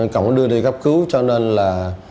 còn đưa đi khắp cứu cho nên là